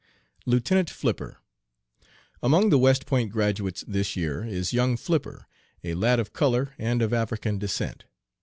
LIEUTENANT FLIPPER. "Among the West Point graduates this year is young Flipper, a lad of color and of African descent.